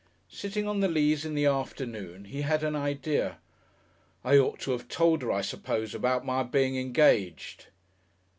Sitting on the Leas in the afternoon, he had an idea. "I ought to 'ave told 'er, I suppose, about my being engaged.